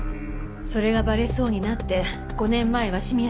それがバレそうになって５年前鷲宮さんを殺害した。